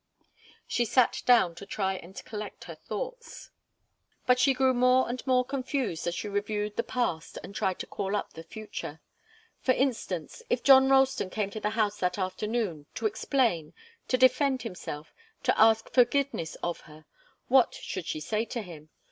She sat down to try and collect her thoughts. But she grew more and more confused as she reviewed the past and tried to call up the future. For instance, if John Ralston came to the house that afternoon, to explain, to defend himself, to ask forgiveness of her, what should she say to him?